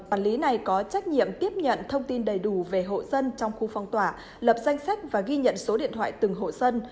bản lý này có trách nhiệm tiếp nhận thông tin đầy đủ về hộ dân trong khu phong tỏa lập danh sách và ghi nhận số điện thoại từng hộ dân